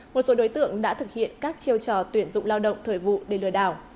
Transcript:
một số đối tượng đã thực hiện các chiêu trò tuyển dụng lao động thời vụ để lừa đảo